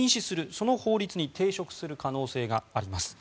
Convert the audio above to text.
その法律に抵触する可能性があります。